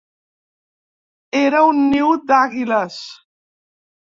Era un niu d'àguiles.